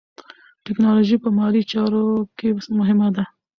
ټیکنالوژي په مالي چارو کې مهمه ده.